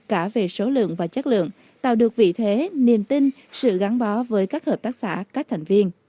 cả về số lượng và chất lượng tạo được vị thế niềm tin sự gắn bó với các hợp tác xã các thành viên